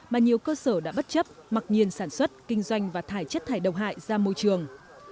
mà nhiều cơ sở đã bất chấp mặc nhiên sản xuất kinh doanh và thải chất thải độc hại ra môi trường